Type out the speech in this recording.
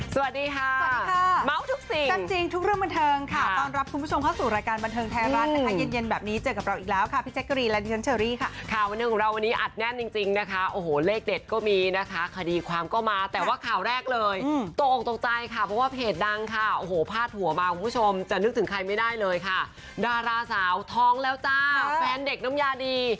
สวัสดีค่ะสวัสดีค่ะวันนี้กับมันเทิงท้ายล่านเจอกับพี่แจ๊กกะรีและนะลียิ